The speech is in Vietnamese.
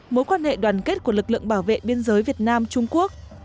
mối quan hệ đoàn kết của lực lượng bảo vệ biên giới việt nam trung quốc